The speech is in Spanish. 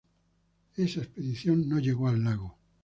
Esa expedición no llegó al lago.